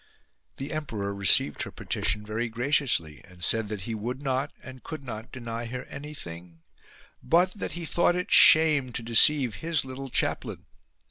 The emperor received her petition very graciously and said that he would not and could not deny her anything ; but that he thought it shame to deceive his little chaplain.